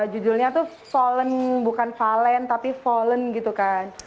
judulnya tuh follen bukan valen tapi follen gitu kan